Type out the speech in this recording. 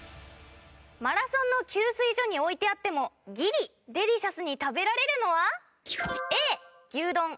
マラソンの給水所に置いてあってもギリデリシャスに食べられるのは？